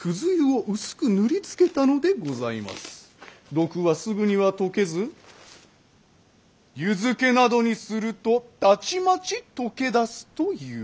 毒はすぐには溶けず湯漬けなどにするとたちまち溶け出すという。